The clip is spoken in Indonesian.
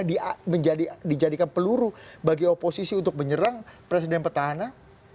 dijadikan peluru bagi oposisi untuk menyerang presiden petahana